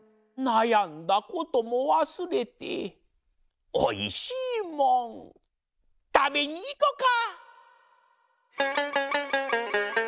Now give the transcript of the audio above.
「なやんだこともわすれておいしいもんたべにいこか！」